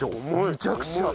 めちゃくちゃ。